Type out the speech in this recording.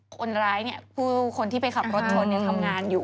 คนร้ายเนี่ยคนที่ไปขับรถจนเนี่ยทำงานอยู่